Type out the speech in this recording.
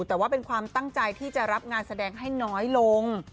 แต่ว่าเป็นความตั้งใจที่จะรับงานแสดงให้น้อยลง